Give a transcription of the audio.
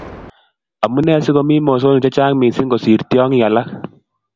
Amunee si komii mosonik che chang mising kosiir tiongik alak?